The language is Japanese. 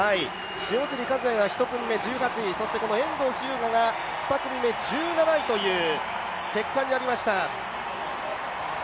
塩尻和也が１組目１７位、そして遠藤日向が２組目１８位という結果になりました。